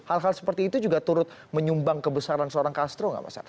hal hal seperti itu juga turut menyumbang kebesaran seorang castro nggak mas ars